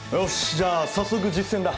じゃあ早速実践だ！